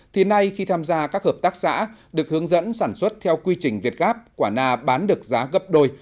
thì nay khi tham gia các hợp tác xã được hướng dẫn sản xuất theo quy trình việt gáp quả na bán được giá gấp đôi